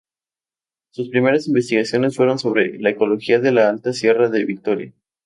Sus primeras investigaciones fueron sobre la ecología de la alta sierra de Victoria.